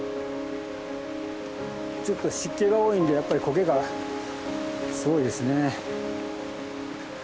ちょっと湿気が多いんでやっぱりコケがすごいですね。